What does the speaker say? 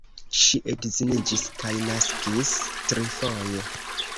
Ŝi edziniĝis kaj naskis trifoje.